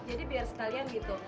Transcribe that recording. jadi biar sekalian gitu